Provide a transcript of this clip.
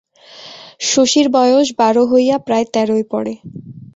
শশীর বয়স বারো হইয়া প্রায় তেরোয় পড়ে।